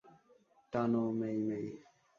টানো, মেই-মেই!